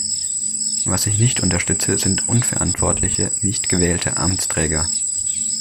Was ich nicht unterstütze, sind unverantwortliche, nicht gewählte Amtsträger.